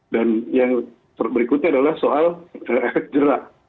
dan yang berikutnya adalah soal efek jerak